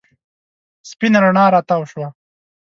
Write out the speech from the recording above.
سپېنه رڼا راتاو شوه.